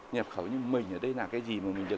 nhập khẩu hết hả chú